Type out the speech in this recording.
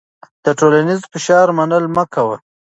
د ټولنیز فشار منل مه کوه.